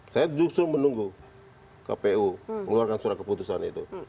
saya justru menunggu kpu mengeluarkan surat keputusan itu